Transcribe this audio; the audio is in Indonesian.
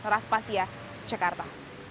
ras pasiah jakarta